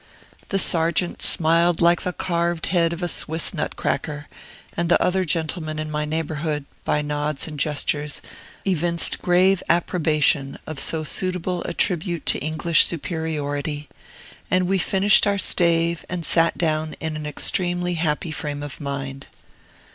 The Sergeant smiled like the carved head of a Swiss nutcracker, and the other gentlemen in my neighborhood, by nods and gestures, evinced grave approbation of so suitable a tribute to English superiority; and we finished our stave and sat down in an extremely happy frame of mind.